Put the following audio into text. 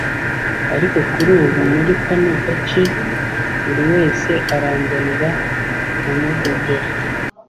ariko kuri ubu muri kano gace buri wese aranzanira nkamudodera